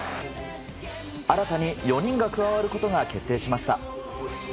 新たに４人が加わることが決定しました。